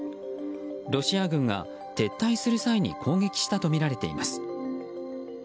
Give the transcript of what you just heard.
ロシア軍が撤退する際に攻撃したとみられています。